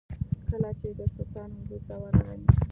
کله چې د سلطان حضور ته ورغی.